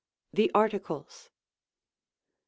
The Articles. 1.